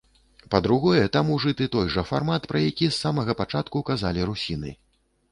Па-другое, там ужыты той жа фармат, пра які з самага пачатку казалі русіны.